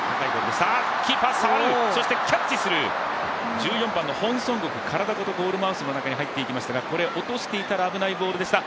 １４番のホン・ソンゴク、体ごとマウスに入っていきましたが、これ落としていたら危ないボールでした。